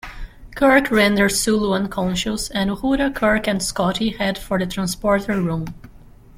Kirk renders Sulu unconscious, and Uhura, Kirk, and Scotty head for the transporter room.